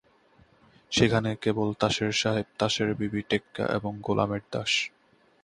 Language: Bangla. সেখানে কেবল তাসের সাহেব, তাসের বিবি, টেক্কা এবং গোলামের বাস।